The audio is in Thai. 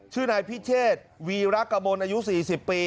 ชื่อในพิเศษวีรักกระโมนอายุ๔๐ปี